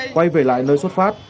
quay về lại nơi xuất phát